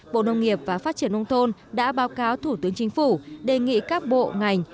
bộ nông nghiệp và phát triển nông thôn đã báo cáo thủ tướng chính phủ đề nghị các bộ ngành